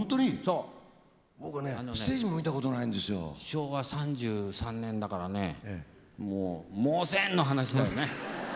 昭和３３年だからねもう先の話だよね。